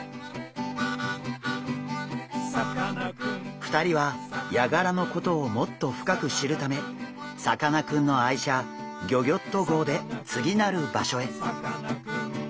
２人はヤガラのことをもっと深く知るためさかなクンの愛車ギョギョッと号で次なる場所へ。